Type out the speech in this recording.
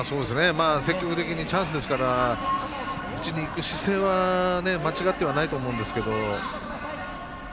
積極的にチャンスですから打ちにいく姿勢は間違ってはないと思うんですけど。